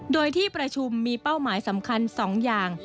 โดยที่ประชุมมีเป้าหมายสำคัญ๒อย่าง